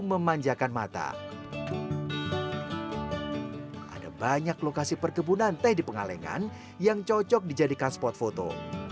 memanjakan mata ada banyak lokasi perkebunan teh di pengalengan yang cocok dijadikan spot foto